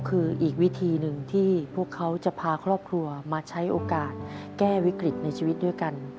คืออีกวิธีหนึ่งที่พวกเขาจะพาครอบครัวมาใช้โอกาสแก้วิกฤตในชีวิตด้วยกัน